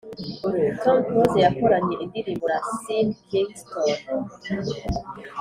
Tom close yakoranye indirimbo na sean kingston